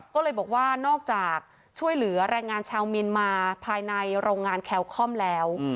ก็เลยบอกว่านอกจากช่วยเหลือแรงงานชาวเมียนมาภายในโรงงานแคลคอมแล้ว